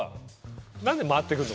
何で回ってくるの？